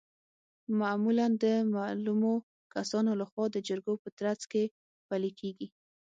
معمولا د معلومو کسانو لخوا د جرګو په ترڅ کې پلي کیږي.